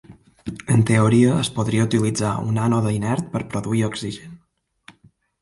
En teoria es podria utilitzar un ànode inert per produir oxigen.